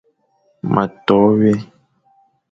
Ma to wé,